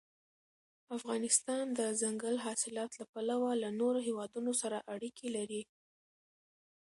افغانستان د دځنګل حاصلات له پلوه له نورو هېوادونو سره اړیکې لري.